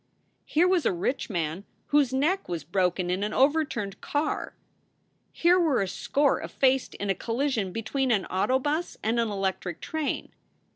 Here was a rich man whose neck was broken in an overturned car ; here were a score effaced in a collision between an auto bus and an electric train.